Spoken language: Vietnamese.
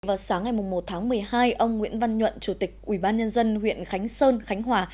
vào sáng ngày một tháng một mươi hai ông nguyễn văn nhuận chủ tịch ubnd huyện khánh sơn khánh hòa